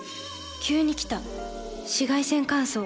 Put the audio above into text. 急に来た紫外線乾燥。